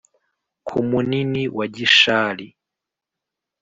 Ku Munini wa Gishali